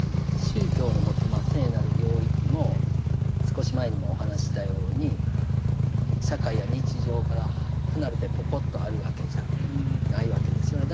宗教の持つ聖なる領域も少し前にもお話ししたように社会や日常から離れてポコッとあるわけじゃないわけですよね。